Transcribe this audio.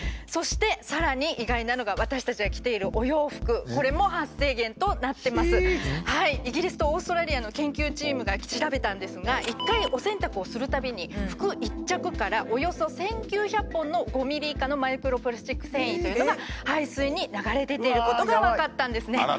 そしてさらに意外なのが私たちが着ているイギリスとオーストラリアの研究チームが調べたんですが１回お洗濯をするたびに服１着からおよそ１，９００本の５ｍｍ以下のマイクロプラスチック繊維というのが排水に流れ出ていることが分かったんですね。